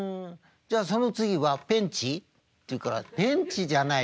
じゃあその次はペンチ？」って言うから「ペンチじゃない。